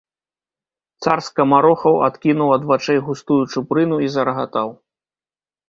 Цар скамарохаў адкінуў ад вачэй густую чупрыну і зарагатаў.